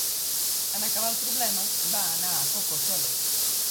En acabar el problema, va anar a Coco Solo.